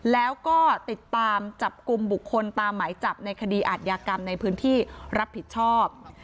แล้วก็ติดตามจับกลุ่มบุคคลตามหมายจับในคดีอาทยากรรมในพื้นที่รับผิดชอบ